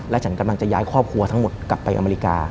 ฉันกำลังจะย้ายครอบครัวทั้งหมดกลับไปอเมริกา